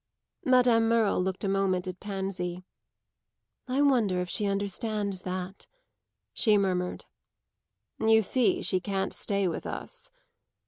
Madame Merle looked a moment at Pansy. "I wonder if she understands that," she murmured. "You see she can't stay with us!"